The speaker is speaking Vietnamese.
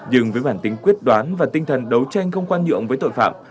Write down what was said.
nhưng với bản tính quyết đoán và tinh thần đấu tranh không khoan nhượng với tội phạm